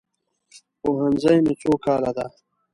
پوهنځی مو څو کاله ده؟